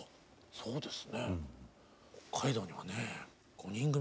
そうです。